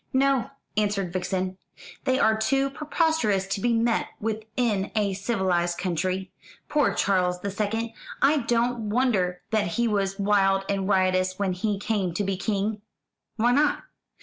"No," answered Vixen; "they are too preposterous to be met with in a civilised country. Poor Charles the Second! I don't wonder that he was wild and riotous when he came to be king." "Why not?"